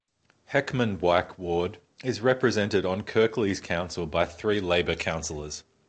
Heckmondwike ward is represented on Kirklees Council by three Labour councillors.